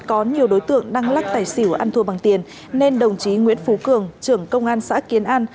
có nhiều đối tượng đang lắc tài xỉu ăn thua bằng tiền nên đồng chí nguyễn phú cường trưởng công an xã kiến an